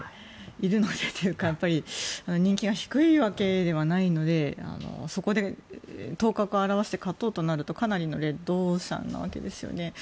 いるのでというか人気が低いわけではないのでそこで頭角を現して勝とうとなるとかなりのレッドオーシャンなわけですよね。